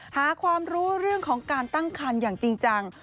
หาความรู้เรื่องของการตั้งคันอย่างจริงจัง